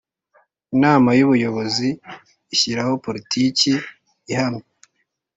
Inama y Ubuyobozi ishyiraho politiki ihamye